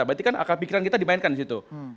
berarti kan akal pikiran kita dimainkan di situ